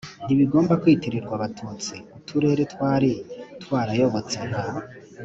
ntibigomba kwitirirwa Abatutsi Uturere twari twarayobotse nka